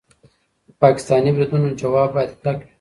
د پاکستاني بریدونو ځواب باید کلک وي.